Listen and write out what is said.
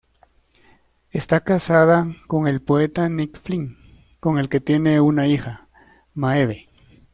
Está casada con el poeta Nick Flynn, con el que tiene una hija, Maeve.